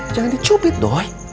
jangan dicupit doi